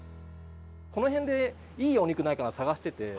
この辺でいいお肉ないかなって探してて。